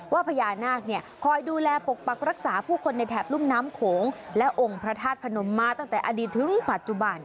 ว่าพญานาคเนี่ยคอยดูแลปกปักรักษาผู้คนในแถบรุ่มน้ำโขงและองค์พระธาตุพนมมาตั้งแต่อดีตถึงปัจจุบัน